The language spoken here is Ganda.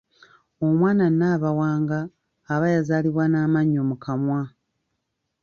Omwana Nabawanga aba yazaalibwa n’amannyo mu kamwa.